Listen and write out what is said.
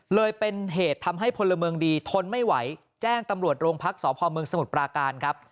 เลยเป็นเหตุทำให้พลเมืองดีทนไม่ไหวแจ้งตำรวจโรงพักษพเมืองสมุทรปราการครับ